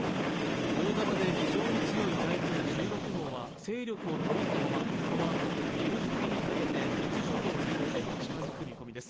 大型で非常に強い台風１６号は勢力を保ったままこのあと昼過ぎにかけて伊豆諸島に最も近づく見込みです。